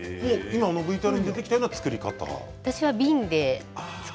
ＶＴＲに出てきたような造り方ですか？